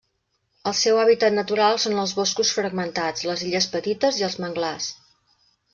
El seu hàbitat natural són els boscos fragmentats, les illes petites i els manglars.